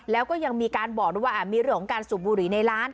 แล้วก็ยังมีการบอกด้วยว่ามีเรื่องของการสูบบุหรี่ในร้าน